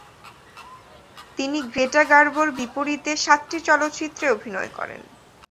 তিনি গ্রেটা গার্বোর বিপরীতে সাতটি চলচ্চিত্রে অভিনয় করেন।